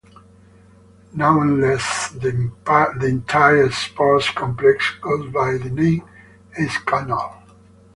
Nonetheless, the entire sports complex goes by the name Eiskanal.